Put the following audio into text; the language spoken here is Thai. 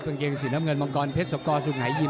กางเกงสีน้ำเงินมังกรเพชรสกสุงหายยิม